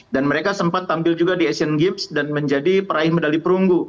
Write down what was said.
dan mereka sempat tampil juga di asian games dan menjadi peraih medali perunggu